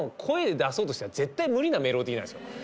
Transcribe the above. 声で出そうとしたら絶対無理なメロディーなんですよ。